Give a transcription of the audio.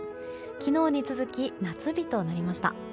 昨日に続き夏日となりました。